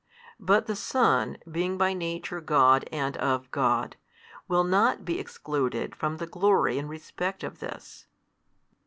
But the Son, being by Nature God and of God, will not be excluded from the glory in respect of this.